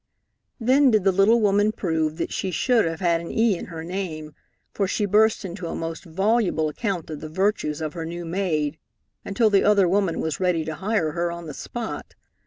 Then did the little woman prove that she should have had an e in her name, for she burst into a most voluble account of the virtues of her new maid, until the other woman was ready to hire her on the spot.